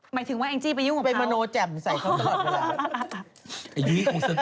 หมายถึงว่าแองจี้ไปยุ่งไปมโนแจ่มใส่เขาตลอดเวลา